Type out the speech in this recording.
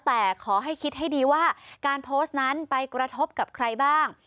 แต่ขอให้คิดให้ดีว่าการโพสต์นั้นไปกระทบกับใครบ้าง